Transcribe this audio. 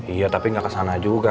iya tapi nggak kesana juga